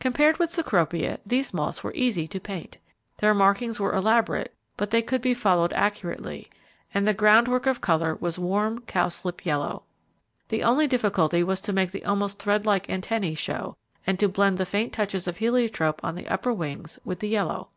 Compared with Cecropia these moths were very easy to paint. Their markings were elaborate, but they could be followed accurately, and the ground work of colour was warm cowslip yellow. The only difficulty was to make the almost threadlike antennae show, and to blend the faint touches of heliotrope on the upper wings with the yellow.